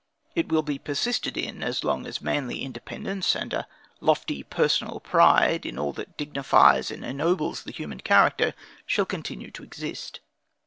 It will be persisted in as long as a manly independence, and a lofty personal pride in all that dignifies and ennobles the human character, shall continue to exist.